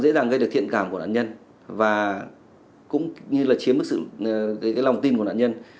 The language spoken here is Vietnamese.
đối tượng dễ dàng gây được thiện cảm của nạn nhân và cũng như là chiếm được sự lòng tin của nạn nhân